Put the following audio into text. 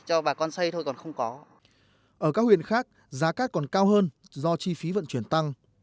ở các huyện khác giá cát còn cao hơn do chi phí vận chuyển tăng